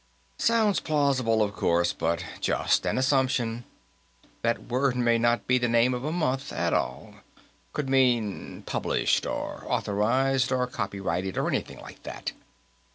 "Sounds plausible, of course, but just an assumption. That word may not be the name of a month, at all could mean 'published' or 'authorized' or 'copyrighted' or anything like that.